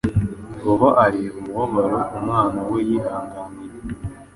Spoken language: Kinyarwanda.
Yehova areba umubabaro Umwana we yihanganiye